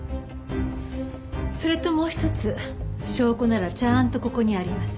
それともう一つ証拠ならちゃんとここにあります。